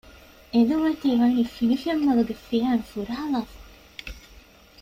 އެނދުމަތީ ވަނީ ފިނިފެންމަލުގެ ފިޔައިން ފުރާލާފަ